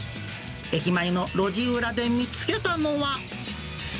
駅前の路地裏で見つけたのは。